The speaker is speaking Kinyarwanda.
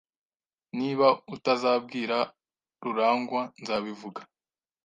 Niba utazabwira Rurangwa, nzabivuga.